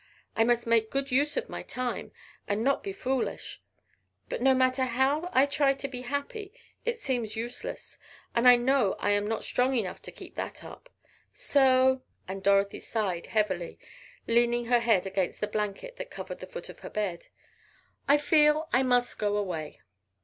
I must make good use of my time, and not be foolish. But no matter how I try to be happy, it seems useless. And I know I am not strong enough to keep that up. So," and Dorothy sighed heavily, leaning her head against the blanket that covered the foot of her bed, "I feel I must go away!"